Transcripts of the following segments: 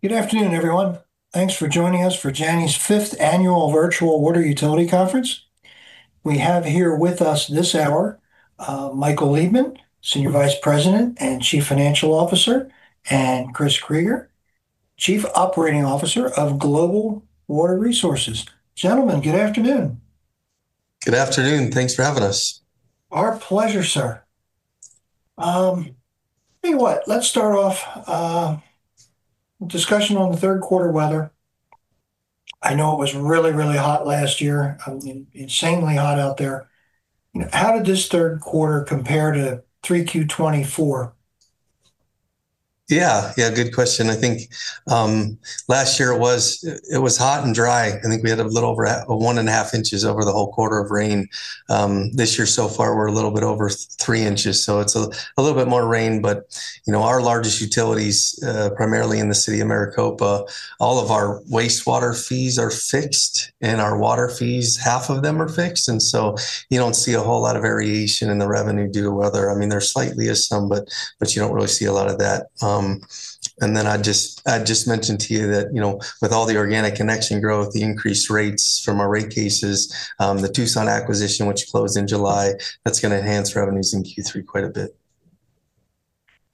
Good afternoon, everyone. Thanks for joining us for JANI's fifth annual Virtual Water Utility Conference. We have here with us this hour, Michael Liebman, Senior Vice President and Chief Financial Officer, and Christopher Krygier, Chief Operating Officer of Global Water Resources. Gentlemen, good afternoon. Good afternoon. Thanks for having us. Our pleasure, sir. You know what? Let's start off, discussion on the third quarter weather. I know it was really, really hot last year, insanely hot out there. How did this third quarter compare to 3Q 2024? Yeah, good question. I think last year it was hot and dry. I think we had a little over 1.5 inches over the whole quarter of rain. This year so far, we're a little bit over 3 inches. It's a little bit more rain, but you know, our largest utilities, primarily in the City of Maricopa, all of our wastewater fees are fixed and our water fees, half of them are fixed. You don't see a whole lot of variation in the revenue due to weather. I mean, there slightly is some, but you don't really see a lot of that. I just mentioned to you that, you know, with all the organic connection growth, the increased rates from our rate cases, the Tucson acquisition, which closed in July, that's going to enhance revenues in Q3 quite a bit.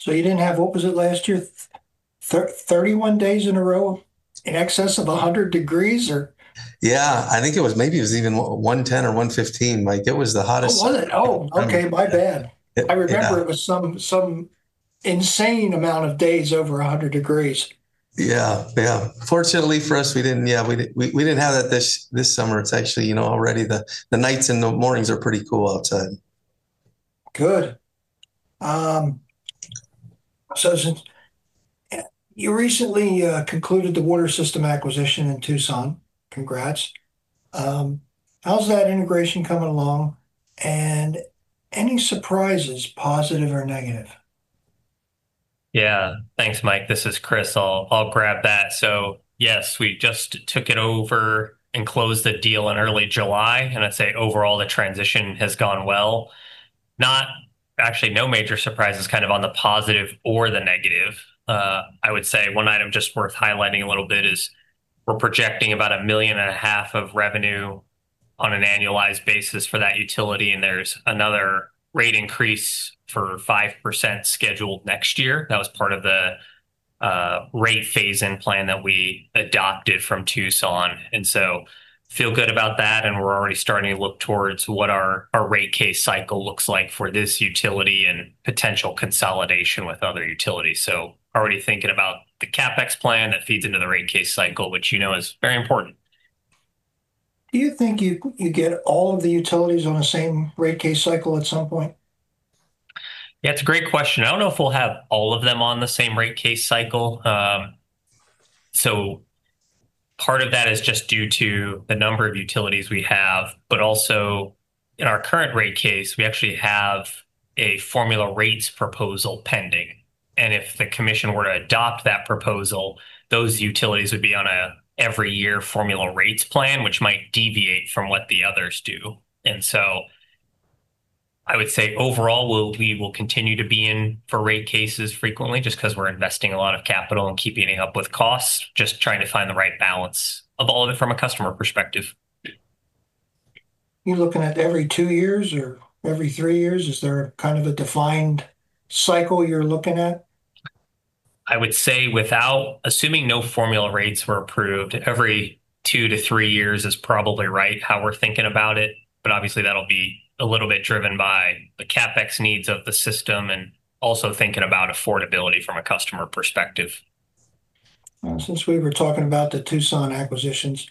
You didn't have, what was it last year, 31 days in a row in excess of 100 degrees? Yeah, I think it was, maybe it was even 110 or 115. Like it was the hottest. Oh, okay. I remember it was some insane amount of days over 100 degrees. Fortunately for us, we didn't have that this summer. It's actually, you know, already the nights and the mornings are pretty cool outside. Good. You recently concluded the water system acquisition in Tucson. Congrats. How's that integration coming along? Any surprises, positive or negative? Yeah, thanks, Mike. This is Chris. I'll grab that. Yes, we just took it over and closed the deal in early July, and I'd say overall the transition has gone well. Not actually no major surprises, kind of on the positive or the negative. I would say one item just worth highlighting a little bit is we're projecting about $1.5 million of revenue on an annualized basis for that utility, and there's another rate increase for 5% scheduled next year. That was part of the rate phase-in plan that we adopted from Tucson. I feel good about that. We're already starting to look towards what our rate case cycle looks like for this utility and potential consolidation with other utilities. Already thinking about the CapEx plan that feeds into the rate case cycle, which you know is very important. Do you think you get all of the utilities on the same rate case cycle at some point? Yeah, it's a great question. I don't know if we'll have all of them on the same rate case cycle. Part of that is just due to the number of utilities we have, but also in our current rate case, we actually have a formula rates proposal pending. If the commission were to adopt that proposal, those utilities would be on an every year formula rates plan, which might deviate from what the others do. I would say overall, we will continue to be in for rate cases frequently just because we're investing a lot of capital and keeping it up with costs, just trying to find the right balance of all of it from a customer perspective. You're looking at every two years or every three years? Is there a kind of a defined cycle you're looking at? I would say without assuming no formula rates were approved, every two to three years is probably right how we're thinking about it. Obviously, that'll be a little bit driven by the CapEx needs of the system and also thinking about affordability from a customer perspective. Since we were talking about the Tucson acquisitions,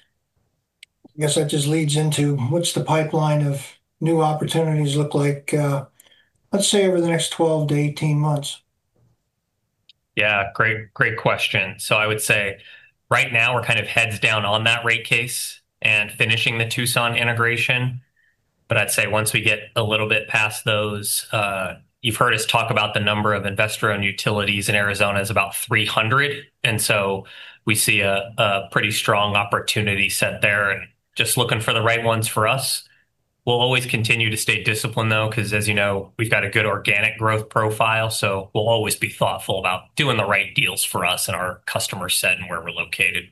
I guess that just leads into what's the pipeline of new opportunities look like, let's say over the next 12 to 18 months? Yeah, great, great question. I would say right now we're kind of heads down on that rate case and finishing the Tucson integration. I'd say once we get a little bit past those, you've heard us talk about the number of investor-owned utilities in Arizona is about 300. We see a pretty strong opportunity set there, just looking for the right ones for us. We'll always continue to stay disciplined though, because as you know, we've got a good organic growth profile. We'll always be thoughtful about doing the right deals for us and our customer set and where we're located.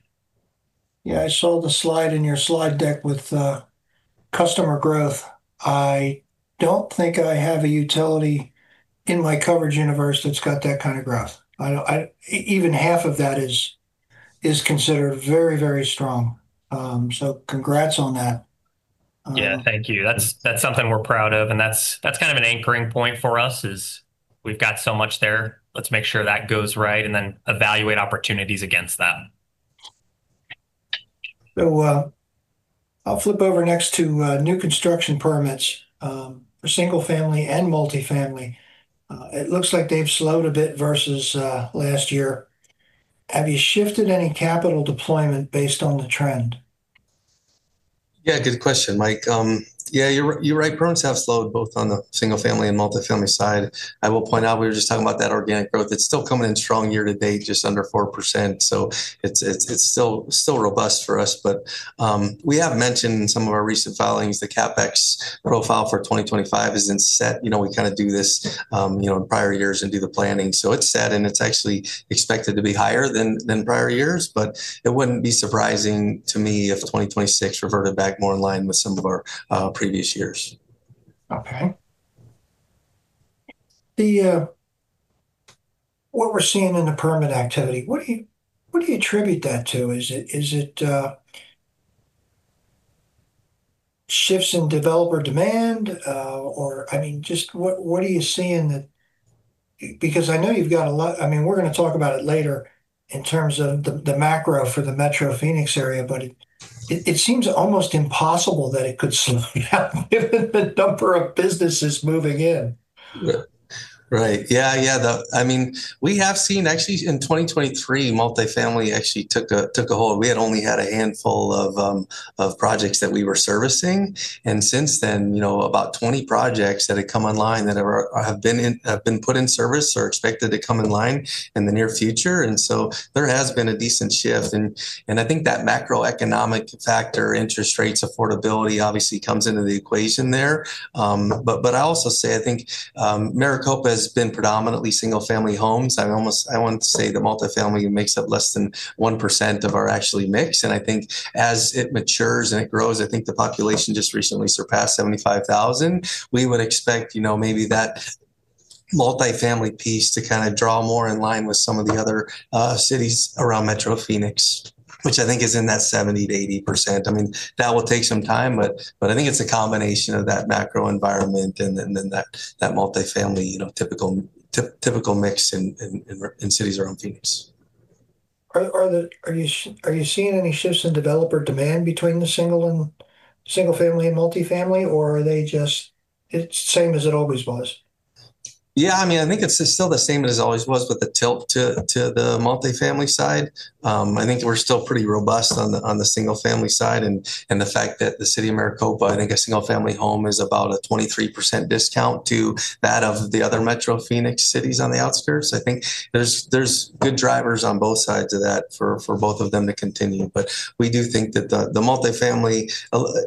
Yeah, I saw the slide in your slide deck with customer growth. I don't think I have a utility in my coverage universe that's got that kind of growth. Even half of that is considered very, very strong. Congrats on that. Thank you. That's something we're proud of. That's kind of an anchoring point for us. We've got so much there. Let's make sure that goes right and then evaluate opportunities against that. I'll flip over next to new construction permits for single-family and multifamily. It looks like they've slowed a bit versus last year. Have you shifted any capital deployment based on the trend? Yeah, good question, Mike. Yeah, you're right. Permits have slowed both on the single-family and multifamily side. I will point out we were just talking about that organic growth. It's still coming in strong year to date, just under 4%. It's still, still robust for us. We have mentioned in some of our recent filings the CapEx profile for 2025 has been set. You know, we kind of do this in prior years and do the planning. It's set and it's actually expected to be higher than prior years, but it wouldn't be surprising to me if 2026 reverted back more in line with some of our previous years. Okay. What we're seeing in the permit activity, what do you attribute that to? Is it shifts in developer demand, or I mean, just what are you seeing, because I know you've got a lot, I mean, we're going to talk about it later in terms of the macro for the Metro Phoenix area, but it seems almost impossible that it could survive given the number of businesses moving in. Right. Yeah, I mean, we have seen actually in 2023, multifamily actually took a hold. We had only had a handful of projects that we were servicing. Since then, about 20 projects have come online that have been put in service or are expected to come online in the near future. There has been a decent shift. I think that macroeconomic factor, interest rates, affordability obviously comes into the equation there. I also say, I think Maricopa has been predominantly single-family homes. I almost want to say the multifamily makes up less than 1% of our actual mix. I think as it matures and it grows, I think the population just recently surpassed 75,000. We would expect maybe that multifamily piece to kind of draw more in line with some of the other cities around Metro Phoenix, which I think is in that 70% to 80%. I mean, that will take some time, but I think it's a combination of that macro environment and then that multifamily, you know, typical mix in cities around Phoenix. Are you seeing any shifts in developer demand between the single-family and multifamily, or are they just the same as it always was? Yeah, I mean, I think it's still the same as it always was with the tilt to the multifamily side. I think we're still pretty robust on the single-family side, and the fact that the City of Maricopa, I think a single-family home is about a 23% discount to that of the other Metro Phoenix cities on the outskirts. I think there's good drivers on both sides of that for both of them to continue. We do think that the multifamily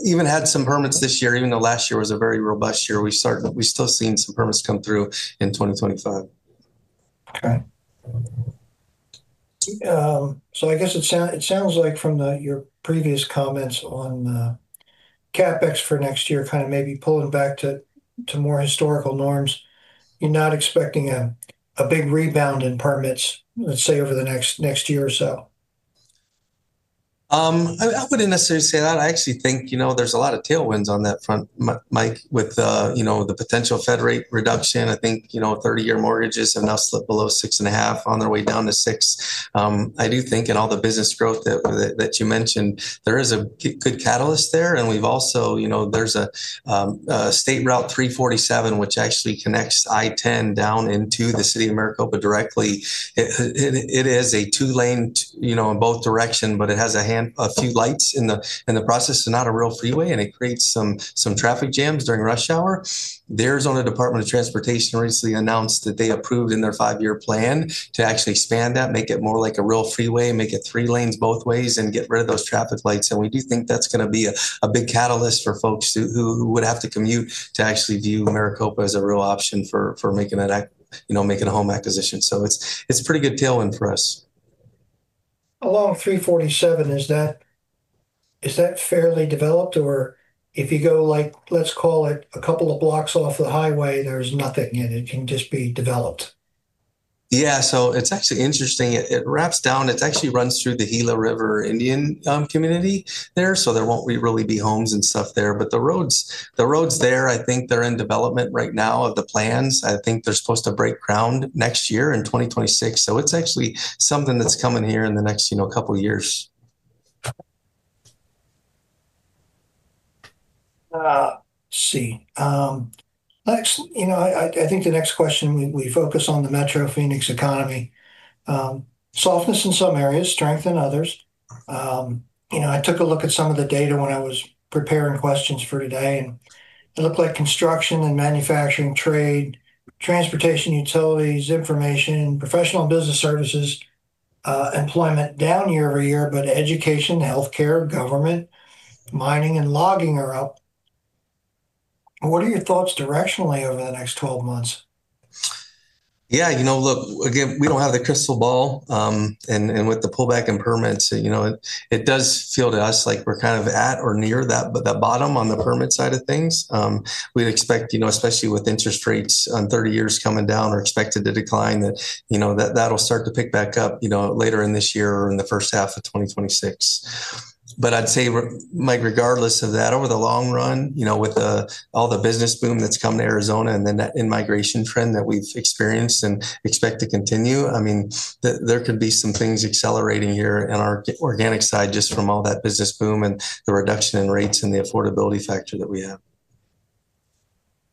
even had some permits this year, even though last year was a very robust year. We still see some permits come through in 2025. It sounds like from your previous comments on the CapEx for next year, kind of maybe pulling back to more historical norms, you're not expecting a big rebound in permits, let's say, over the next year or so. I wouldn't necessarily say that. I actually think there's a lot of tailwinds on that front, Mike, with the potential Fed rate reduction. I think 30-year mortgages have now slipped below 6.5% on their way down to 6%. I do think in all the business growth that you mentioned, there is a good catalyst there. We've also, there's a State Route 347, which actually connects I-10 down into the City of Maricopa directly. It is a two-lane, in both directions, but it has a few lights in the process, so not a real freeway, and it creates some traffic jams during rush hour. The Arizona Department of Transportation recently announced that they approved in their five-year plan to actually expand that, make it more like a real freeway, make it three lanes both ways, and get rid of those traffic lights. We do think that's going to be a big catalyst for folks who would have to commute to actually view Maricopa as a real option for making a home acquisition. It's a pretty good tailwind for us. State Route 347, is that fairly developed? Or if you go, like, let's call it a couple of blocks off the highway, there's nothing in it. It can just be developed. Yeah, it's actually interesting. It wraps down. It actually runs through the Gila River Indian Community there. There won't really be homes and stuff there, but the roads, the roads there, I think they're in development right now of the plans. I think they're supposed to break ground next year, in 2026. It's actually something that's coming here in the next couple of years. Let's see. I think the next question, we focus on the Metro Phoenix economy. Softness in some areas, strength in others. I took a look at some of the data when I was preparing questions for today, and it looked like construction and manufacturing, trade, transportation utilities, information, professional and business services, employment down year over year, but education, healthcare, government, mining, and logging are up. What are your thoughts directionally over the next 12 months? Yeah, you know, look, again, we don't have the crystal ball. With the pullback in permits, it does feel to us like we're kind of at or near that bottom on the permit side of things. We expect, especially with interest rates, 30 years coming down or expected to decline, that that'll start to pick back up later in this year or in the first half of 2026. I'd say, Mike, regardless of that, over the long run, with all the business boom that's come to Arizona and then that in-migration trend that we've experienced and expect to continue, there could be some things accelerating here on our organic side just from all that business boom and the reduction in rates and the affordability factor that we have.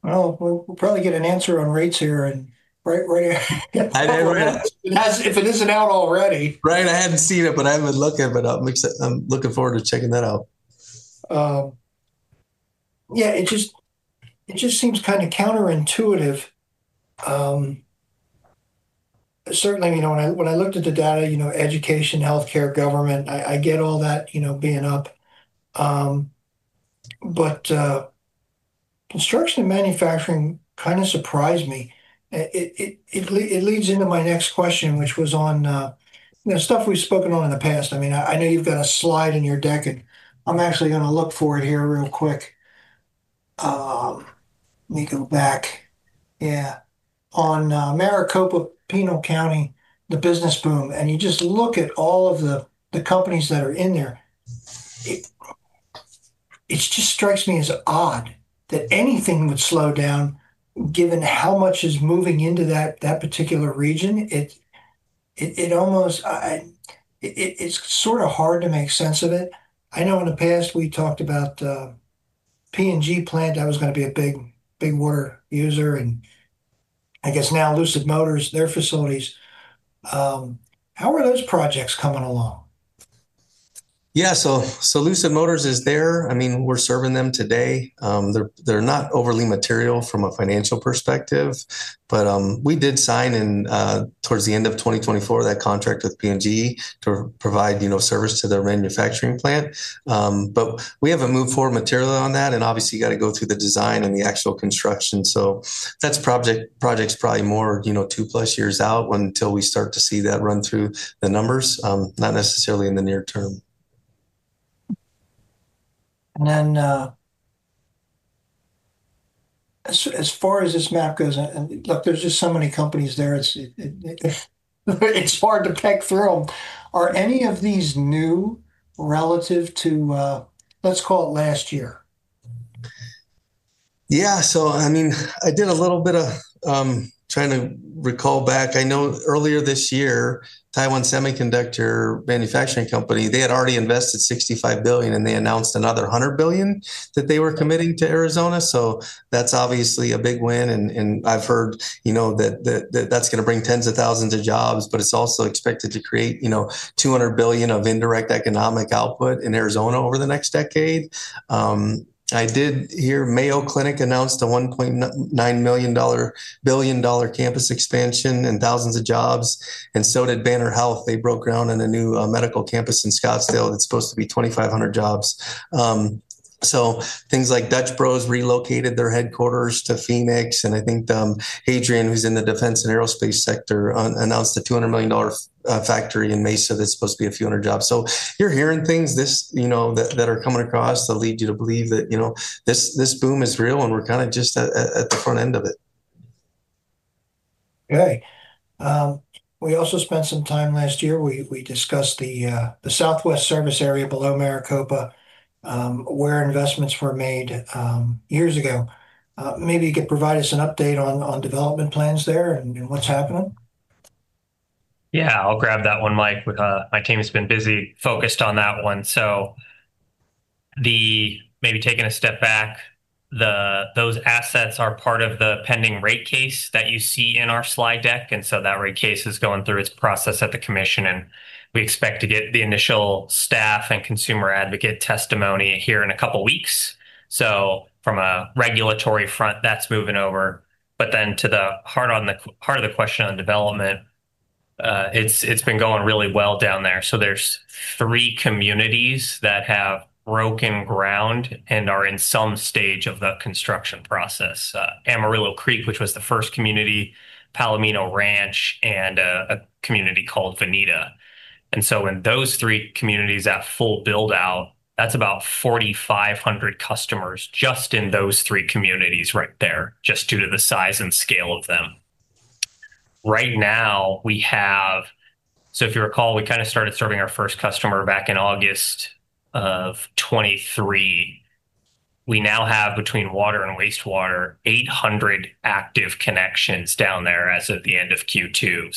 We’ll probably get an answer on rates here right ahead if it isn’t out already. I hadn't seen it, but I haven't looked at it. I'm looking forward to checking that out. Yeah, it just seems kind of counterintuitive. Certainly, you know, when I looked at the data, you know, education, healthcare, government, I get all that, you know, being up. Construction and manufacturing kind of surprised me. It leads into my next question, which was on the stuff we've spoken on in the past. I know you've got a slide in your deck, and I'm actually going to look for it here real quick. Let me go back. Yeah, on Maricopa, Pinal County, the business boom, and you just look at all of the companies that are in there. It just strikes me as odd that anything would slow down given how much is moving into that particular region. It's almost, it's sort of hard to make sense of it. I know in the past we talked about the Procter & Gamble plant that was going to be a big, big water user, and I guess now Lucid Motors, their facilities. How are those projects coming along? Yeah, so Lucid Motors is there. I mean, we're serving them today. They're not overly material from a financial perspective. We did sign towards the end of 2024 that contract with Procter & Gamble to provide, you know, service to their manufacturing plant. We haven't moved forward material on that, and obviously you got to go through the design and the actual construction. That project's probably more, you know, two plus years out until we start to see that run through the numbers, not necessarily in the near term. As far as this map goes, look, there's just so many companies there. It's hard to peck through them. Are any of these new relative to, let's call it last year? Yeah, I mean, I did a little bit of trying to recall back. I know earlier this year, Taiwan Semiconductor Manufacturing Company, they had already invested $65 billion, and they announced another $100 billion that they were committing to Arizona. That's obviously a big win. I've heard that's going to bring tens of thousands of jobs, and it's also expected to create $200 billion of indirect economic output in Arizona over the next decade. I did hear Mayo Clinic announced a $1.9 billion campus expansion and thousands of jobs, and so did Banner Health. They broke ground on a new medical campus in Scottsdale. It's supposed to be 2,500 jobs. Things like Dutch Bros relocated their headquarters to Phoenix, and I think, Adrian, who's in the defense and aerospace sector, announced a $200 million factory in Mesa that's supposed to be a few hundred jobs. You're hearing things like this that are coming across to lead you to believe that this boom is real, and we're kind of just at the front end of it. All right. We also spent some time last year. We discussed the Southwest service area below Maricopa, where investments were made years ago. Maybe you could provide us an update on development plans there and what's happening. Yeah, I'll grab that one. My team has been busy focused on that one. Maybe taking a step back, those assets are part of the pending rate case that you see in our slide deck. That rate case is going through its process at the commission, and we expect to get the initial staff and consumer advocate testimony here in a couple of weeks. From a regulatory front, that's moving over. To the heart of the question on development, it's been going really well down there. There are three communities that have broken ground and are in some stage of the construction process: Amarillo Creek, which was the first community, Palomino Ranch, and a community called Vinita. In those three communities, at full build-out, that's about 4,500 customers just in those three communities right there, just due to the size and scale of them. Right now, we have, if you recall, we kind of started serving our first customer back in August of 2023. We now have between water and wastewater 800 active connections down there as of the end of Q2.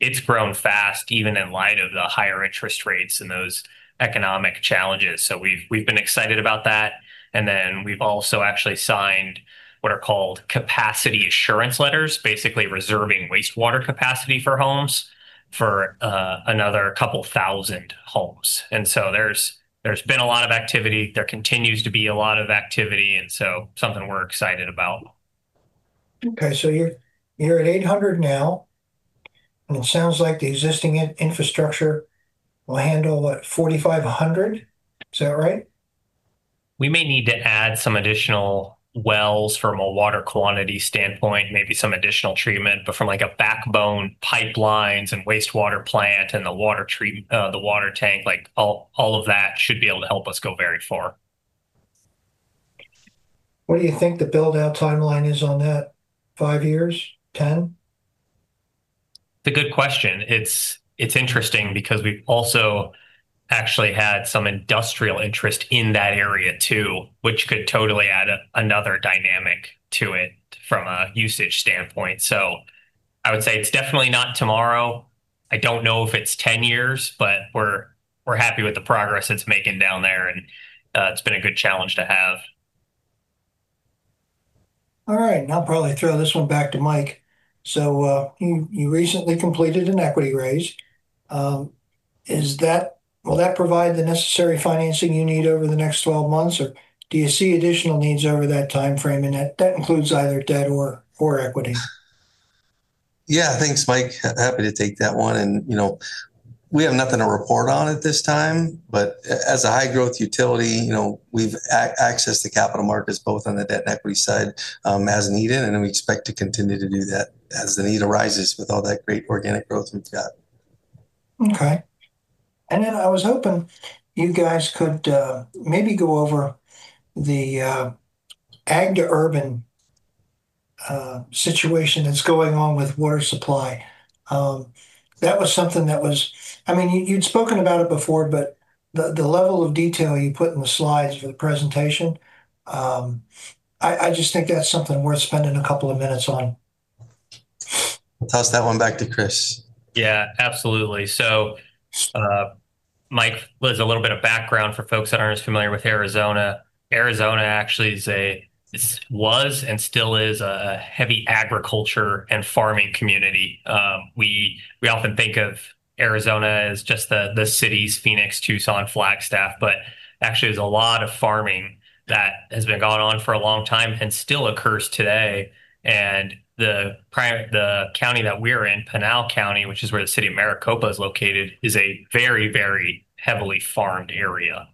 It's grown fast, even in light of the higher interest rates and those economic challenges. We've been excited about that. We've also actually signed what are called capacity assurance letters, basically reserving wastewater capacity for homes for another couple thousand homes. There's been a lot of activity. There continues to be a lot of activity. That's something we're excited about. Okay, so you're at 800 now. It sounds like the existing infrastructure will handle at 4,500. Is that right? We may need to add some additional wells from a water quantity standpoint, maybe some additional treatment, but from a backbone, pipelines and wastewater plant and the water treatment, the water tank, all of that should be able to help us go very far. What do you think the build-out timeline is on that? Five years? Ten? It's a good question. It's interesting because we've also actually had some industrial interest in that area too, which could totally add another dynamic to it from a usage standpoint. I would say it's definitely not tomorrow. I don't know if it's 10 years, but we're happy with the progress it's making down there. It's been a good challenge to have. All right. I'll probably throw this one back to Mike. You recently completed an equity raise. Will that provide the necessary financing you need over the next 12 months, or do you see additional needs over that timeframe? That includes either debt or equity. Yeah, thanks, Mike. Happy to take that one. We have nothing to report on at this time, but as a high-growth utility, we've accessed the capital markets both on the debt and equity side as needed. We expect to continue to do that as the need arises with all that great organic growth we've got. Okay. I was hoping you guys could maybe go over the Ag to Urban situation that's going on with water supply. That was something that was, I mean, you'd spoken about it before, but the level of detail you put in the slides for the presentation, I just think that's something worth spending a couple of minutes on. Pass that one back to Chris. Yeah, absolutely. Mike, as a little bit of background for folks that aren't as familiar with Arizona, Arizona actually is a, it was and still is a heavy agriculture and farming community. We often think of Arizona as just the cities, Phoenix, Tucson, Flagstaff, but actually there's a lot of farming that has been going on for a long time and still occurs today. The county that we're in, Pinal County, which is where the City of Maricopa is located, is a very, very heavily farmed area.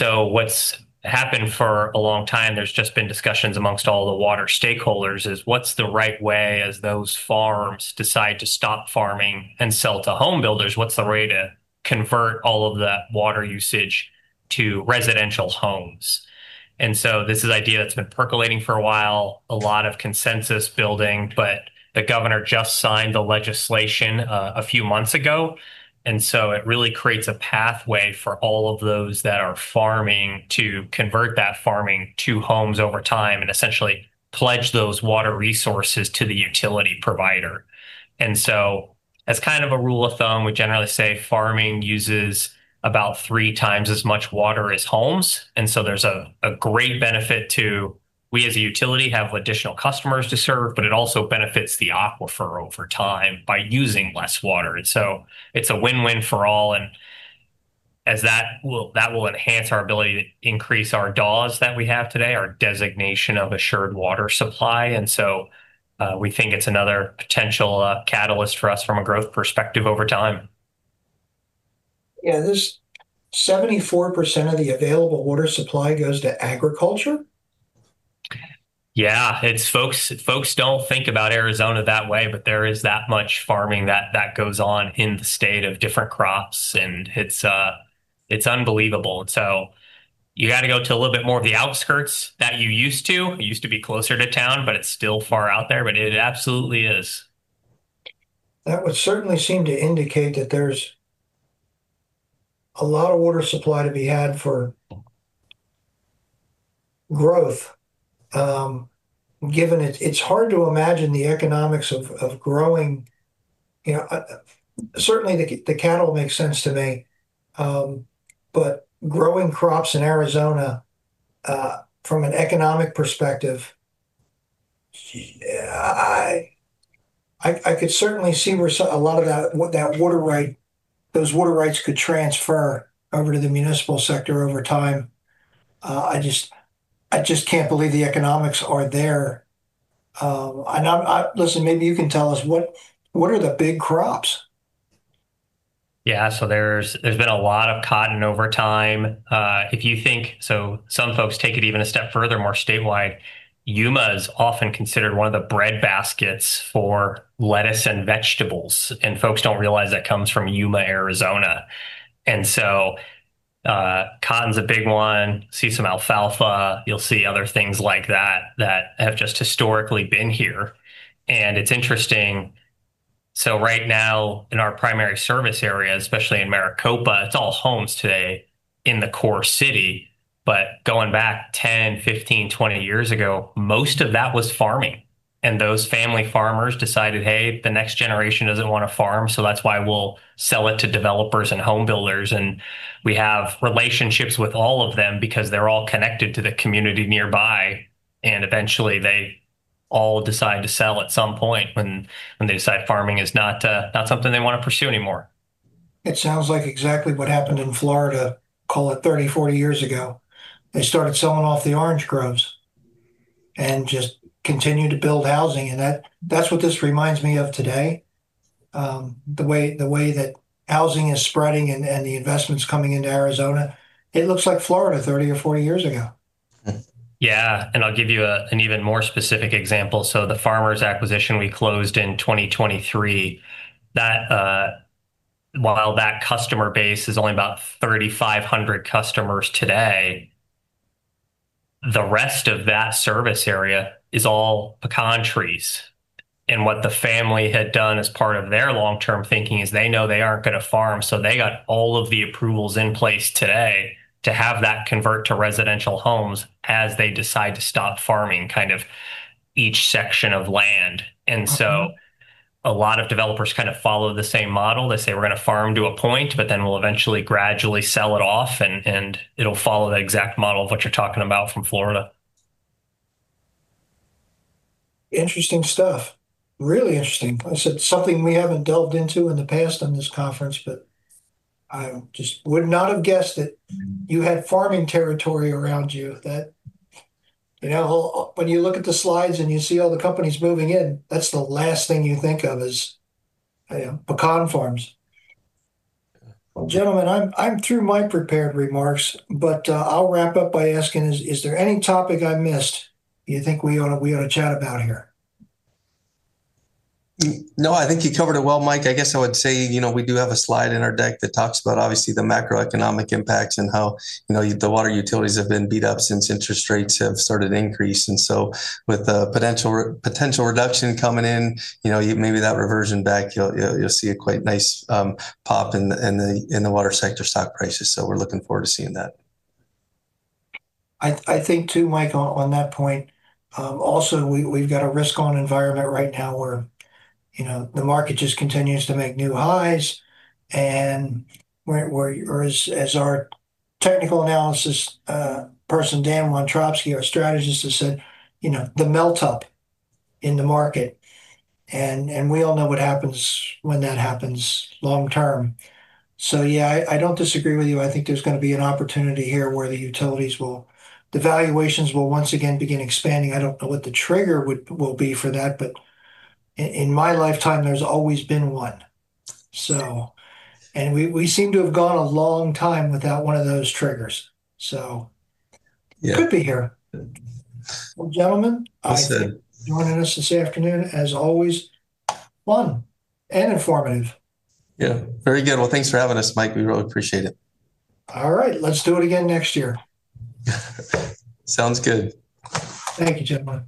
What's happened for a long time, there's just been discussions amongst all the water stakeholders about what's the right way as those farms decide to stop farming and sell to home builders. What's the way to convert all of that water usage to residential homes? This is an idea that's been percolating for a while, a lot of consensus building, but the governor just signed the legislation a few months ago. It really creates a pathway for all of those that are farming to convert that farming to homes over time and essentially pledge those water resources to the utility provider. As kind of a rule of thumb, we generally say farming uses about three times as much water as homes. There's a great benefit to, we as a utility have additional customers to serve, but it also benefits the aquifer over time by using less water. It's a win-win for all. That will enhance our ability to increase our DAWs that we have today, our designation of assured water supply. We think it's another potential catalyst for us from a growth perspective over time. Seventy-four % of the available water supply goes to agriculture. Yeah, folks don't think about Arizona that way, but there is that much farming that goes on in the state of different crops, and it's unbelievable. You got to go to a little bit more of the outskirts than you used to. It used to be closer to town, but it's still far out there, but it absolutely is. That would certainly seem to indicate that there's a lot of water supply to be had for growth. Given it, it's hard to imagine the economics of growing, you know, certainly the cattle makes sense to me, but growing crops in Arizona, from an economic perspective, I could certainly see where a lot of that, what that water right, those water rights could transfer over to the municipal sector over time. I just can't believe the economics are there. Maybe you can tell us what are the big crops? Yeah, so there's been a lot of cotton over time. If you think, some folks take it even a step further, more statewide, Yuma is often considered one of the bread baskets for lettuce and vegetables, and folks don't realize that comes from Yuma, Arizona. Cotton's a big one. You see some alfalfa, you'll see other things like that that have just historically been here. It's interesting. Right now in our primary service area, especially in the City of Maricopa, it's all homes today in the core city. Going back 10, 15, 20 years ago, most of that was farming. Those family farmers decided, hey, the next generation doesn't want to farm, so that's why we'll sell it to developers and home builders. We have relationships with all of them because they're all connected to the community nearby. Eventually they all decide to sell at some point when they decide farming is not something they want to pursue anymore. It sounds like exactly what happened in Florida, call it 30 or 40 years ago. They started selling off the orange groves and just continued to build housing. That's what this reminds me of today. The way that housing is spreading and the investments coming into Arizona, it looks like Florida 30 or 40 years ago. Yeah, I'll give you an even more specific example. The farmers' acquisition we closed in 2023, while that customer base is only about 3,500 customers today, the rest of that service area is all pecan trees. What the family had done as part of their long-term thinking is they know they aren't going to farm, so they got all of the approvals in place today to have that convert to residential homes as they decide to stop farming each section of land. A lot of developers follow the same model. They say we're going to farm to a point, but then we'll eventually gradually sell it off, and it'll follow the exact model of what you're talking about from Florida. Interesting stuff. Really interesting. Like I said, something we haven't delved into in the past on this conference, but I just would not have guessed that you had farming territory around you. When you look at the slides and you see all the companies moving in, that's the last thing you think of is pecan farms. Gentlemen, I'm through my prepared remarks, but I'll wrap up by asking, is there any topic I missed you think we ought to chat about here? No, I think you covered it well, Mike. I guess I would say, you know, we do have a slide in our deck that talks about obviously the macro-economic impacts and how, you know, the water utilities have been beat up since interest rates have started to increase. With the potential reduction coming in, you know, maybe that reversion back, you'll see a quite nice pop in the water sector stock prices. We're looking forward to seeing that. I think too, Mike, on that point, also, we've got a risk-on environment right now where, you know, the market just continues to make new highs. As our technical analysis person, Dan Wontropski, our strategist, has said, you know, the melt-up in the market. We all know what happens when that happens long-term. I don't disagree with you. I think there's going to be an opportunity here where the utilities will, the valuations will once again begin expanding. I don't know what the trigger will be for that, but in my lifetime, there's always been one. We seem to have gone a long time without one of those triggers. It could be here. Gentlemen, I'll say it. Want to ask this afternoon, as always, fun and informative. Yeah, very good. Thanks for having us, Mike. We really appreciate it. All right, let's do it again next year. Sounds good. Thank you, gentlemen.